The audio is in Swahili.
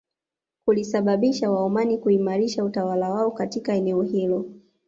Kulisababisha Waomani kuimarisha utawala wao katika eneo hilo